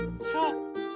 そう。